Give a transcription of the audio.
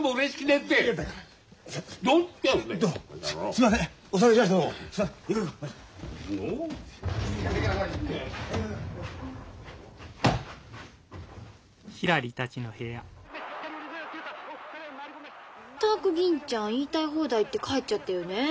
ったく銀ちゃん言いたい放題言って帰っちゃったよね。